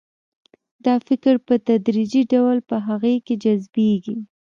دا فکر په تدریجي ډول په هغه کې جذبیږي